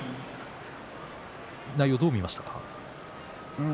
内容、どう見ましたか？